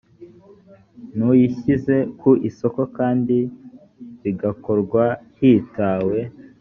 n uyishyize ku isoko kandi bigakorwa hitawe